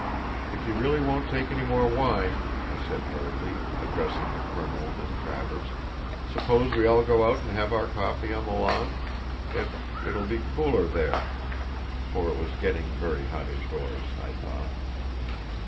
"If you really won't take any more wine," I said, hurriedly, addressing the colonel and Travers, "suppose we all go out and have our coffee on the lawn? It—it will be cooler there." For it was getting very hot indoors, I thought.